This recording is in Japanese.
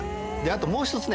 あともう１つね。